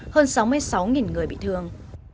hơn sáu mươi sáu người bị thương